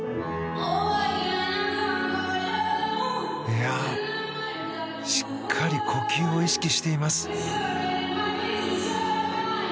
いやあ、しっかり呼吸を意識しています。